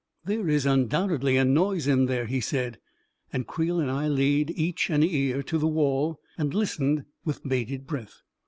" There is undoubtedly a noise in there," he said, and Creel and I laid each an ear to the wall and listened with bated breath.